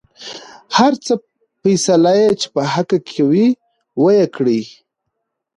هر څه فيصله يې چې په حق کې کوۍ وېې کړۍ.